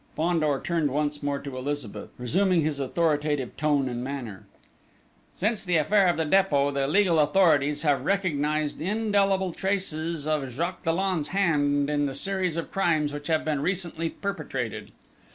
Fandor turned once more to Elizabeth, resuming his authoritative tone and manner: "Since the affair of the Dépôt, the legal authorities have recognised indelible traces of Jacques Dollon's hand in the series of crimes which have been recently perpetrated.